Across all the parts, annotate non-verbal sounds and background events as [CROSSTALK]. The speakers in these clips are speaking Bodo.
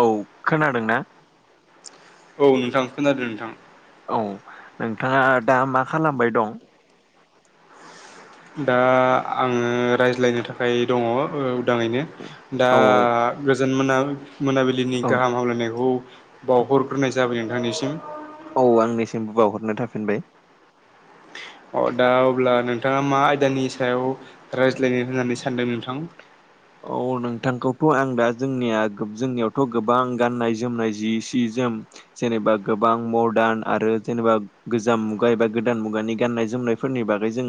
औ खोनादों ना औ नोंथां खोनादों नोंथां औ नोंथाङा दा मा खालामबाय दं दा आङो रायज्लायनो थाखाय दङ उदाङैनो दा औ गोजोन मोना मोनाबिलिनि औ गाहाम हामलायनायखौ बावहरग्रोनाय जाबाय नोंथांनिसिम औ आंनिसिमबो बावहरनाय थाफिनबाय अ दा अब्ला नोंथाङा मा आयदानि सायाव रायज्लायनो होननानै सानदों नोंथां औ नोंथांखौथ' आं दा जोंनिया जोंनियावथ' गोबां गाननाय जोमनाय जि सि। ज जेनेबा गोबां मदारन आरो जेनेबा गोजाम मुगा एबा गोदान मुगानि गाननाय ज--। जोमनायफोरनि बागै जों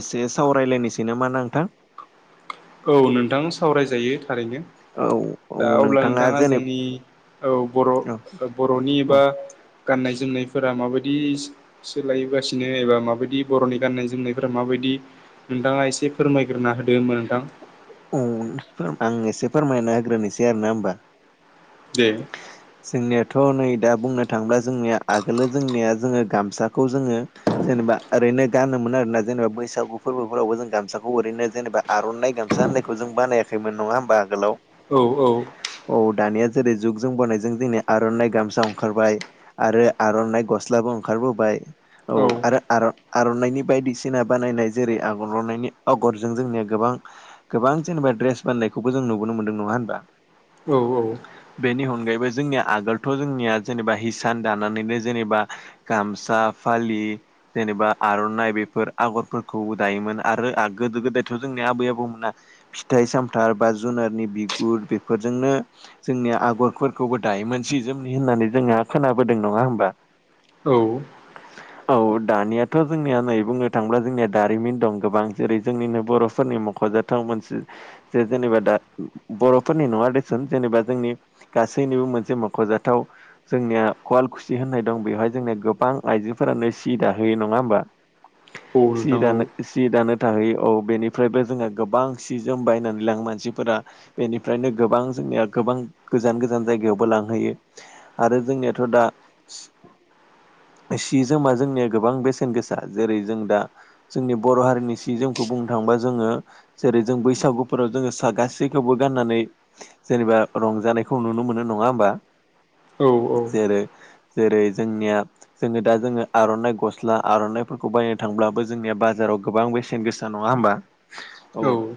एसे सावरायलायनोसै न मा ना नोंथां। औ नोंथां सावरायजायो थारैनो। औ औ दा अब्ला नोंथाङा जेने जोंनि औ औ बर' बर'नि औ एबा। गाननाय जोमनायफोरा माबायदि सोलायगासिनो एबा माबायदि बर'नि गाननाय जोमनायफोरा माबायदि। बि नोंथाङा एसे फोरमायग्रोना होदो नोंथां। आं एसे फोरमायना होग्रोनोसै आरोना होमबा। दे जोंनि। थ' नै दा बुंनो थाङोब्ला जोंनिया आगोलो जोंनिया जोङो गामसाखौ जोङो जेनेबा ओरै। गानोमोन आरोना जेनबा बैसागु फोरबोफोरावबो जों गामसाखौ ओरैनो जेनेबा आर'नाइ गामसा होननायखौ जों ब--। नायाखैमोन नङा होमबा आगोलाव। औ औ। औ दानिया जेरै जुग जों बनायजों जोंनि आर'नाइ गामसा ओंखारबाय आरो आर'नाइ गस्लाबो ओंखारबोबाय। औ आरो आर'नाइनि बायदिसिना बानायनाय जेरै आगरनायनि आगरजों जों। गोबां गोबां जेनेबा रेस बाननायखौबो जों नुुबोननो मोन्दों नङा हबा। औ औ। बेनि अनगायैबो जोंनिया आगोलथ' जोंनिया जेनेबा हिसान दानानैनो जेनेबा गामसा। फालि जेनेबा आर'नाइ बेफोर आगरफोरखौ दायोमोन आरो गोदो गोदायथ' जोंनि। आबै आबौमोन मोना फिथाइ सामथाइ बा जुनारनि बिगुर बेफोरजोंनो। जोंनि आगरफोरखौबो दायो मोनसे जोमनि होननानै जोंहा खोनाबोदों नङा होमबा। औ। औ दानियाथ' जोंनिया नै बुंनो थाङोब्ला जोंनिया दारिमिन दं गोबां जेरै जोंनिनो बर'। नि मख'जाथाव मोनसे जे जेनेबा दा बर'फोरनि नङा दस जेनेबा। जोंनि गासैनिबो मोनसे मख'जाथाव जोंनिया खुवाल खुसि होननाय दं बेवहाय जोंनिया गोबां। ओं आइजोफोरानो सि दाहोयो नङा होमबा। औ सि नोंथां औ दानो सि दानो थाहैयो औ बेनिफ्रायबो जोंहा गोबां सि जोम बायनानै लाङो मानसिफोरा। बेनिफ्रायनो गोबां जोंनिया। गोबां गोजान गोजान जायगायावबो लांहैयो आरो जोंनियाथ' दा। [INAUDIBLE] सि जोमा जोंनिया गोबां बेसेन गोसा जेरै जों दा जोंनि बर' हारिनि सि जोमखौ बुंनो थाङोब्ला। दा जोङो जेरै जों बैसागुफोराव जोङो सा गासैखौबो गाननानै जेनेबा। रंजानायखौ नुनो मोनो नङा होमबा औ जेरै। जेरै जोंनिया जोङो दा जोङो आर'नाइ गस्ला आर'नाइफोरखौ बायनो थांब्लाबो जोंनिया बाजाराव। गोबां बेसेन गोसा नङा होनबा। औ।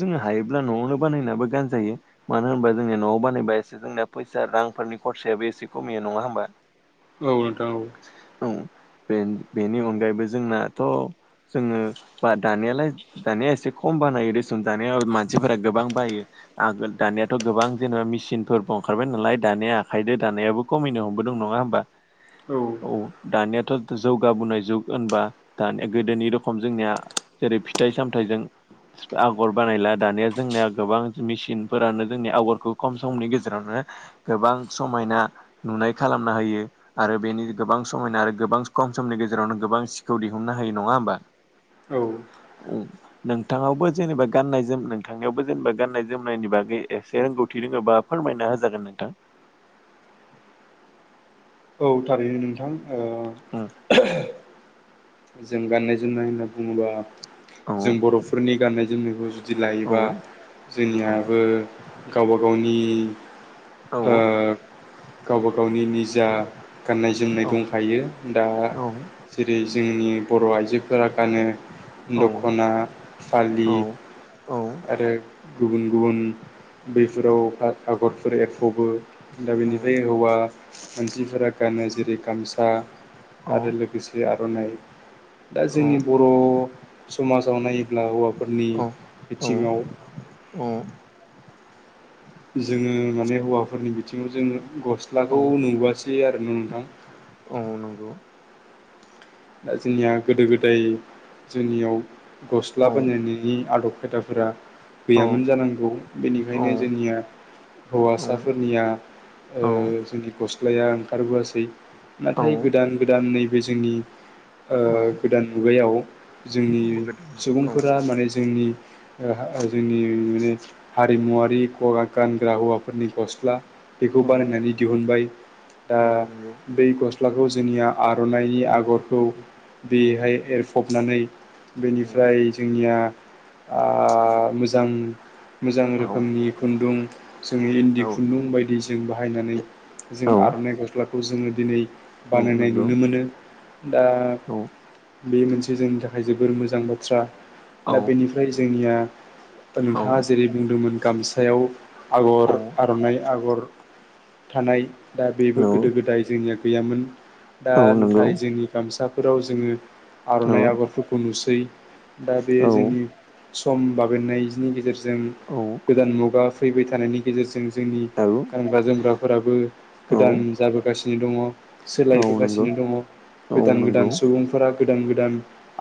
ज हायोब्ला न'नो बानाय गायो म। जोंनि न'आव बानायबा एसे जोंनिया फैसा रांफोरनि खरसायाबो एसे खमिया नङा होमबा। औ न दा औ। औ बे बेनि अनगायैबो जोंनाथ'। जोङो बा दानियालाय दानिया एसे खम बानायो रेसुन दानाय मानसिफोरा गोबां बायो। आगोल दानियाथ'। गोबां जेनेबा मेसिनफोरबो ओंखारबाय नालाय दानाया आखाइद दानायाबो खमायनो हमबोदों नङा होनोमबा? औ। दानियाथ' जौगाबोनाय जुग होनबा दानिया गोदोनि रखम जोंनिया जेरै फिथाइ सामथाइ। आगर बानायला दानिया जोंनिया गोबां मेसिन फोरानो। जोंनि आगरखौ खम समनि गेजेरावनो गोबां समायना नुनाय खालामना होयो आरो। आरो बेनि गोबां समायना आरो गोबां खम समनि गेजेरावनो गोबां सिखौ दिहुननो हायो नङा होमबा। औ नोंथांङाबो जेनेबा गाननाय जोम नोंथांनियावबो जेनेबा गाननाय जोमनायनि बागै। एसे रोंगौथि रोङोबा फोरमायना होजागोन नोंथां। औ थारैनो नोंथां आ जों गाननाय जोमनाय होनना बुङोबा औ जों बर'फोरनि गाननाय जोमनायखौ जु दि औ लायोबा जोंनियाबो गावबा गावनि औ ओ गावबा गावनि निजा गाननाय जोमनाय दंखायो दा औ जेरै जोंनि बर' आइजो फोरा गानो औ दख'ना औ फालि आरो गुबुन गुबुन बेफोराव आगरफोर एरफ'बो दा बेनिफ्राय हौवा मान सिफोरा गानो जेरै गामसा आरो लोगोसे आर'नाइ दा जोंनि बर' समाजाव नायोब्ला हौवाफोरनि औ बिथिङाव औ जोङो माने हौवाफोरनि बिथिङाव जोङो औ गस्लाखौ नुबासै आरो ना नोंथां नंगौ औ दा जोंनिया गोदो गोदाय जोंनियाव गस्ला औ बानायनायनि आदब खोदाफोरा औ गैयामोन जानांगौ औ बेनिखायनो जोंनिया औ हौवासाफोरनिया ओ औ जोंनि गस लाया ओंखारबोआसै औ नाथाय गोदान गोदान नैबे जोंनि ओ औ गोदान मुगायाव जोंनि गोदान औ सुबुंफोरा माने जोंनि जोंनि माने औ हारिमुवारि गानग्रा हौवाफोरनि गस्ला बेखौ औ बानायनानै दिहुनबाय दा औ नंगौ बै गस्लाखौ जोंनिया आर'नाइनि औ आगरखौ औ औ बेहाय एरफबनानै बेनिफ्राय जोंनिया आ मोजां मोजां औ रोखोमनि खुन्दुं जोङो इन्दि खुन्दुं बायदि जों बाहायनानै जों आर'नाइ गस्लाखौ जोङो दिनै औ बानायनाय नंगौ नुनो मोनो। दा औ बे मोनसे जोंनि थाखाय जोबोर मोजां बाथ्रा औ दा बेनिफ्राय जोंनिया औ नोंथाङा जेरै बुंदोंमोन गामसायाव आगर औ आर'नाइ आगर थानाय दा बेबो गोदो गोदाय जोंनिया गैयामोन। दा औ नंगौ नाथाय जोंनि गामसाफोराव जोङो औ आर'नाइ आगरफोरखौ नुसै दा औ बे जोंनि सम बाबेननायनि गेजेरजों गोदान मुगा फैबाय थानायनि गेजेरजों जोंनि औ गानग्रा जोमग्राफोराबो औ गोदान जाबोगासि नो दङ औ नंगौ सोलायबोगासिनो दङ औ गोदान गोदान नंगौ सुबुंफोरा गोदान गोदान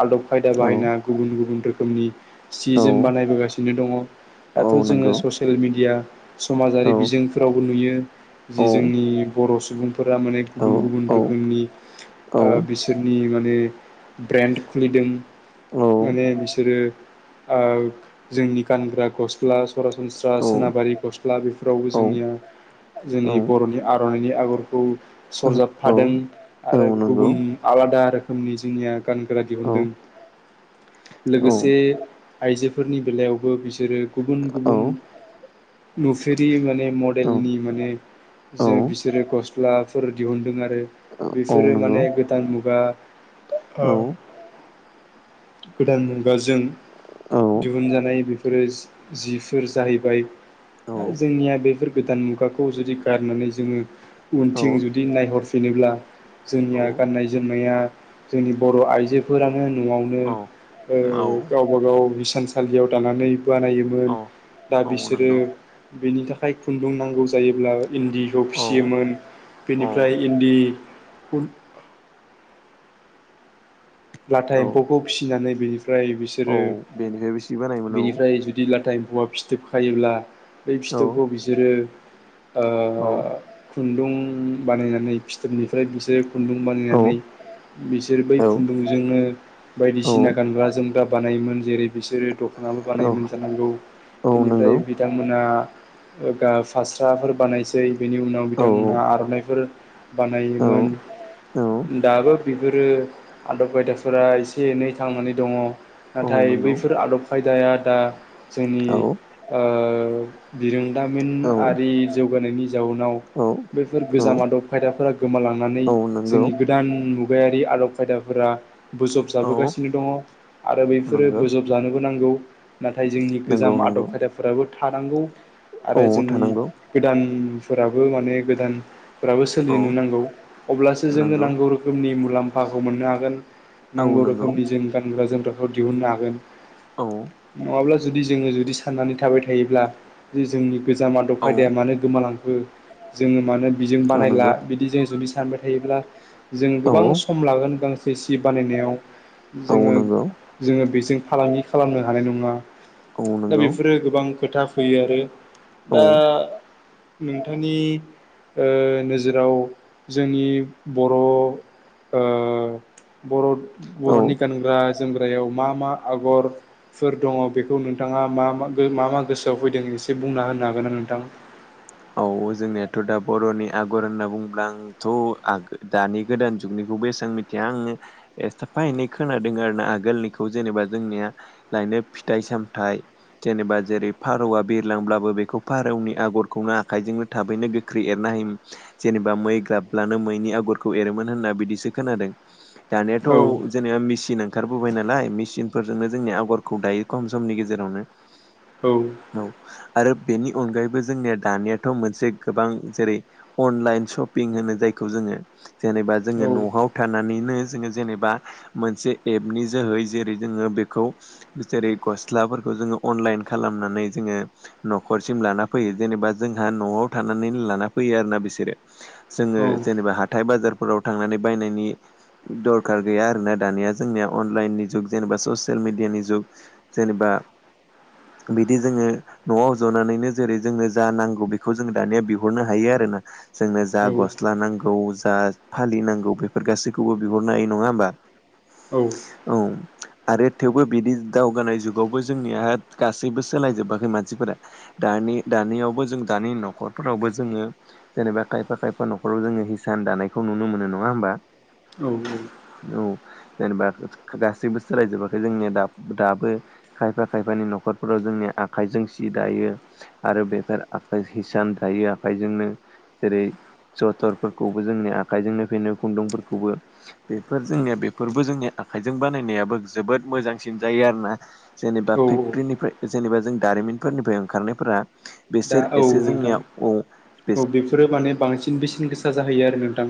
आदब खायदा औ बाहायना गुबुन गुबुन रोखोमनि सि जोम औ बानायबोगासिनो दङ। दाथ' औ जोङो नंगौ ससियेल मेडिया समाजारि बेनिफ्रायबो बिजोंफोरावबो नुयो। जि जोंनि बर' सुबुंफोरा माने गुबुन सि गुबुन रोखोमनि बिसोरनि माने ब्रेन्ड खुलिदों। माने बिसोरो जोंनि गानग्रा गस्ला सरासनस्रा सोनाबारि गस्ला बेफोरावबो जोंनिया जोंनि बर'नि आर'नाइनि आगरखौ सरजाबफादों आरो गुबुन आलादा रोखोमनि जोंनिया गानग्रा दिहुनदों। लोगोसे आइजोफोरनि बेलायावबो बिसोरो गुबुन गुबुन नुफिरि माने मडेलनि माने जों बिसोरो गस्लाफोर दिहुुनदों आरो बेफोरो माने गोदान मुगा गोदान मुगााजों दिहुनजानाय बेफोरो जिफोर जाहैबाय दा जोंनिया बेफोर गोदान मुगाखौ जुदि गारनानै जोङो उनथिं जुदि नायहरफिनो जेब्ला जोंनिया गाननाय जोमनाया जोंनि बर' आइजोफोरानो न'आवनो औ गावबा गाव हिसानसालियाव दानानै बानायोमोन दा बिसोरो बेनि थाखाय खुन्दुं नांगौ जायोब्ला इन्दिखौ फिसियोमोन। बेनिफ्राय इन्दि खुन लाथा एम्फौखौ फिसिनानै बेनिफ्राय बिसोरो बानायोमोन बेनिफ्राय जुदि लाथाया एम्फौवा फिसि फिथोब खायोब्ला बै औ फिथोबखौ बिसोरो ओ औ खुन्दुं बानायनानै फिथोबनिफ्राय बिसोरो खुन्दुं औ बानायनानै बिसोर बै खुन्दुंजोंनो औ बायदिसिना गानग्रा जोमग्रा बानायोमोन जेरै बिसोरो दखानाबो औ बानायोमोन जानांगौ औ बेनिफ्राय नंगौ बिथांमोनहा ओ गा फास्राफोर बानायसै बेनि उनाव बिथांमोनहा औ आर'नाइफोर बानायोमोन औ दाबो बि बिसोरो आदब खायदाफोरा एसे एनै थांनानै दङ'। औ नाथाय औ नंगौ बैफोर आदब खायदाया दा जोंनि औ ओ बिरोंदामिन औ आरि जौगानायनि जाउनाव औ बेैफोर औ गोजाम आदब खायदाफोरा गोमालांनानै औ नंगौ जोंनि गोदान मुगायाव मुगायारि आदब खायदाफोरा बोजब औ जाबोगासिनो दङ' आरो बैफोरो नंगौ बोजबजानोबो नांगौ। नाथाय जोंनि नंगौ गोजाम आदब नंगौ खायदाफोराबो थानांगौ औ आरो जोंनि थानांगौ गोदान फोराबो माने गोदानफोराबो औ सोलिनो नांगौ अब्लासो जोंनो नंगौ नांगौ रोखोमनि मुलामफ फाखौ मोननो हागोन औ नांगौ नंगौ रोखोमनि जों गानग्रा जोमग्राखौ दिहुननो हागोन। औ नङाब्ला जुदि जोङो जुदि साननानै थाबाय थायोब्ला जे जोंनि गोजाम आदब औ खायदाया मानो गोमालांखो जोङो मानो बिजों औ बानायला नंगौ बिदि जों जुदि सानबाय थायो थायोब्ला जों औ गोबां सम [UNINTELLIGIBLE] गांसे सि बानायनाय औ जोङो नंगौ जोङो बे फालांगि खालामनो हानाय नङा औ दा नंगौ बेफोरो गोबां खोथा फैयो आरो दा नोंथांनि ओ नोजोराव जोंनि बर' ओ बर औ बर'नि गानग्रा जोमग्रायाव मा मा आगरफोर दङ' बेखौ नोंथाङा मा मा गोसोआव फैदों एसे बुंना होनो हागोनना नोंथां औ जोंनियाथ' दा बर'नि आगर होनना बुंङोब्ला आंथ' दानि गोदान जुगनि बेसेबां मिथिया आङो एसेसाफायनै खोनादों आरो आगोलनिखौ जेनेबा जोंनि नो फिथाइ सामथाइ जेनेबा जेरै फारौआ बिरलांब्लाबो बेखौ फारौनि आगर खौनो आखाइजोंनो थाबैनो गोख्रै एरना हायोमोन जेनेबा मै ग्राबब्लानो मैनि आगरखौ एरोमोन होन्नानै बिदिसो खोनादों। दानियाथ' औ जेनेबा मेचिन ओंखारबोबाय नालाय मेचिनफोरजोंनो जोंनि आगरखौ दायो खम समनि गेजेरावनो औ औ आरो बेनि अनगायैबो जोंनिया दानियाथ' मोनसे गोबां जेरै अनलाइन सशपिं होनो जायखौ जोङो जेनेबा औ जोङो न'आव थानानैनो जोङो जेनेबा मोनसे एपनि जोहै जेरै जोङो बेखौ जेरै गस्लाफोरखौ जोङो अनलाइन खालामनै जोङो नफोरसिम लाना फैयो जेनेबा जोंहा न'आव थानानै लाना फैयो आरोना बिसोरो जोङो औ जेनेबा हाथाय बाजारफोराव थांनानै बायनायनि दरखार गैया आरोना दानिया जोंनिया अनलाइननि जुग जेनेबा ससियेल मिडियानि जुग जेनेबा आ बिदि जोङो न'आव जनानैनो जेरै जोङो जा नांगौ बेखौ जों दानिया बिहरनो हायो आरोना जोंनो जा गस्ला नांगौ जा फा लि नांगौ बेफोर गासैखौबो बिहरनो हायो नङा होमबा। औ औ आरो थेवबो बिदि दावगानाय जुगावबो जोंनिया गासैबो सोलायजोबाखै मानसि दानि दानियाव जों दानि न'खरावबो जोङो जेनेबा खायफा खायफा न'खराव जोङो हिसान दानायखौ नुनो मोनो नङा होमबा औ औ औ जेनेबा गासैबो सोलायजोबाखै जोंनिया दाबो खायफा खायफानि न'खरफोराव जोंनि आखाइजों सि दायो आरो बेफोर आखाइ हिसान थायो आखाइजोंनो जेरै जथरफोरखौबो जोंनि आखायजोंनो फेनो खुनदुंफोरखौबो बेफोर जोंनिया बेफोरबो जोंनि आखाइजों बानायनायाबो जोबोद मोजांसिन जायो आरोना जेनेबा औ फेक्टरनिफ्राय जेनेबा जों दारिमिनफोरनिफ्राय ओंखारनायफोरा दा बिसोर औ एसे नोंथां जोंनिया औ बेफोरो माने बांसिन बेसेन गोसा जाहैयो आरो नोंथां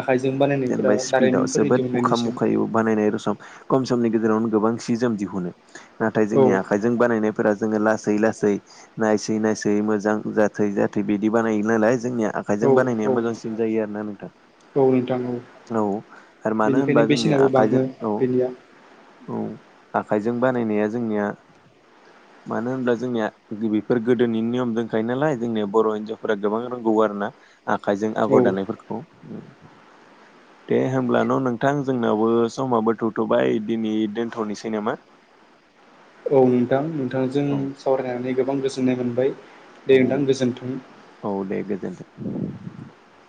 आखाइजों बानायनायफोरा जेनेबा स्पिडाव दारिमिनफोरनि जोबोद उखाम दिहुननायनिसिम मुखायै [UNINTELLIGIBLE] बानायनाय रसम खम समनि गेजेरावनो गोबां सि जोम दिहुनो नाथाय औ जोंनि आखाइजों बानायनाय फोरा जोङो लासै लासै नायसै नायसै मोजां जाथै जाथै बिदि बानायोन नालाय जोंनिया औ आखाइजों बानायनाया औ मोजांसिन जायो आरोना नोंथां औ नोंथां औ आरो मानो होनबा बेनिखायनो जोंनिया बेसेनाबो आखाइजों बाङो औ बेनिया औ आखाइजों बानायनाया जोंनिया मानो होनब्ला जोंनिया बेफोर गोदोनि नियम दंखायो नालाय जोंनिया बर' हिनजावफोरा गोबां रोंगौ आरो ना आखायजों औ आगर दानायफोरखौ दे होमब्ला न' नोंथां जोंनावबो समाबो थ'थ'बाय दिनै दोनथ'नोसै नामा [INAUDIBLE] औ नोंथां नोंथांजों औ सावरायनानै गोबां गोजोननाय मोनबाय दे औ नोंथां गोजोनथों दे गोजोन्थों औ